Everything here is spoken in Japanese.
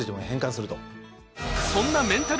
そんなメンタル